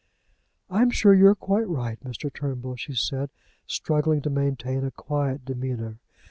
"I am sure you are quite right, Mr. Turnbull," she said, struggling to maintain a quiet demeanour.